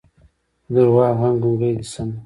که دروغ وايم ګونګې دې شمه